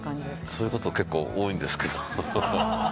そういうこと結構多いんです。